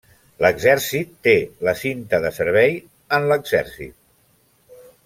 L'Exèrcit té la cinta de servei en l'Exèrcit.